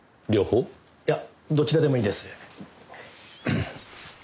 いやどちらでもいいです。